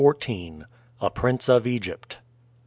A PRINCE OF EGYPT.